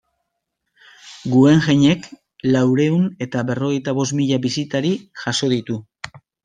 Guggenheimek laurehun eta berrogeita bost mila bisitari jaso ditu.